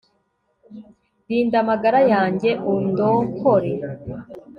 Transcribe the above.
rinda amagara yanjye, undokore